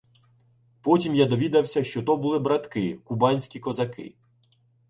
Потім я довідався, що то були "братки" — кубанські козаки.